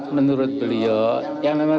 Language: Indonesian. menurut beliau yang namanya